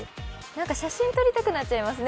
写真撮りたくなっちゃいますね。